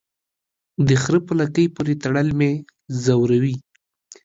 د خره په لکۍ پوري تړل مې زوروي.